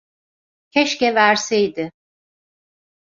Keşke verseydi.